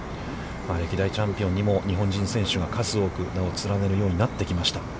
歴代チャンピオンにも日本人選手が数多く名を連ねるようになってきました。